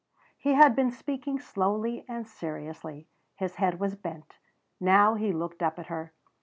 He had been speaking slowly and seriously; his head was bent. Now he looked up at her.